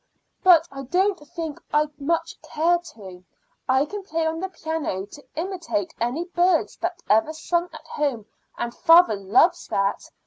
"But I don't think I much care to. I can play on the piano to imitate any birds that ever sung at home, and father loves that.